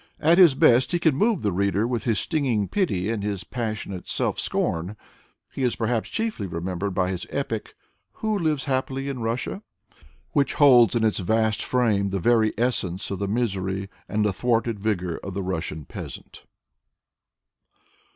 At his best he can move the reader with his stinging pity and his passionate self scorn. He is perhaps chiefly remembered by his epic: "Who Lives Happily in Russia?'', which holds in its vast frame the very essence of the misery and the thwarted vigor of the Russian peasant.